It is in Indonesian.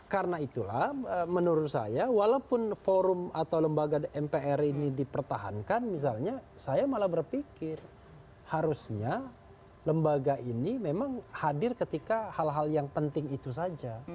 karena itulah menurut saya walaupun forum atau lembaga mpr ini dipertahankan misalnya saya malah berpikir harusnya lembaga ini memang hadir ketika hal hal yang penting itu saja